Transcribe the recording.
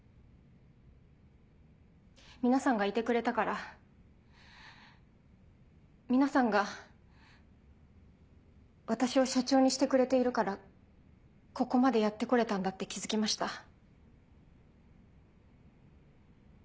皆さんがいてくれたから皆さんが私を社長にしてくれているからここまでやって来れたんだって気付きました。